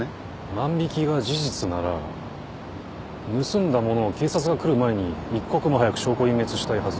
万引が事実なら盗んだ物を警察が来る前に一刻も早く証拠隠滅したいはず。